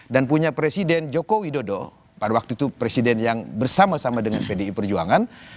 dan punya presiden joko widodo pada waktu itu presiden yang bersama sama dengan pdi perjuangan